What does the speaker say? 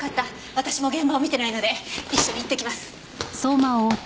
私も現場を見てないので一緒に行ってきます。